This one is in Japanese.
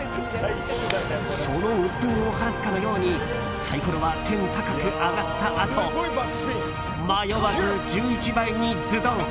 そのうっ憤を晴らすかのようにサイコロは天高く上がったあと迷わず１１倍にズドン。